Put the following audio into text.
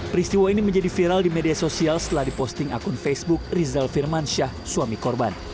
peristiwa ini menjadi viral di media sosial setelah diposting akun facebook rizal firmansyah suami korban